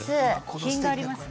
品がありますね。